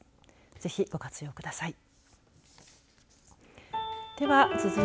ぜひ、ご活用ください。